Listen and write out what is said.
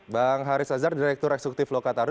bang haris azhar direktur eksekutif lokataru